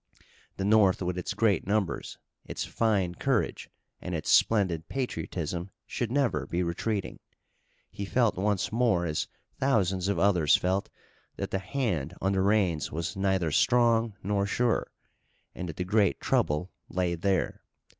The North with its great numbers, its fine courage and its splendid patriotism should never be retreating. He felt once more as thousands of others felt that the hand on the reins was neither strong nor sure, and that the great trouble lay there.